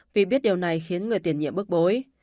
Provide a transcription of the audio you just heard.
vì biết điều này khiến người tiền nhiệm bức bối